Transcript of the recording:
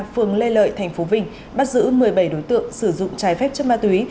phường lê lợi tp vinh bắt giữ một mươi bảy đối tượng sử dụng trái phép chất ma túy